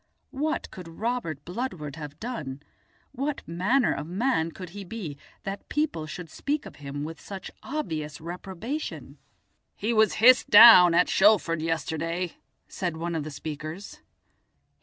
What could Robert Bludward have done, what manner of man could he be, that people should speak of him with such obvious reprobation? "He was hissed down at Shoalford yesterday," said one of the speakers.